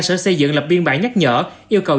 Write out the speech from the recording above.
sở xây dựng lập biên bản nhắc nhở yêu cầu